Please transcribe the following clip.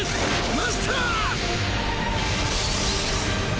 マスター！